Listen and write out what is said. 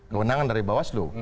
kewenangan dari bawaslu